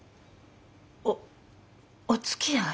おおつきあい！？